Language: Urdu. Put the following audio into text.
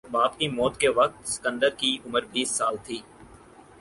باپ کی موت کے وقت سکندر کی عمر بیس سال تھی